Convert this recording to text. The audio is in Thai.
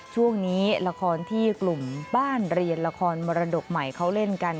ช่วงนี้ละครที่กลุ่มบ้านเรียนละครมรดกใหม่เขาเล่นกัน